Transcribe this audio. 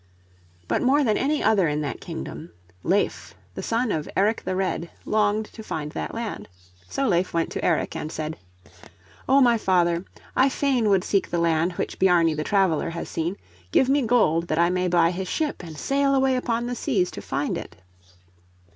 But more than any other in that kingdom, Leif the son of Eric the Red, longed to find that land. So Leif went to Eric and said: "Oh my father, I fain would seek the land which Bjarni the Traveler has seen. Give me gold that I may buy his ship and sail away upon the seas to find it."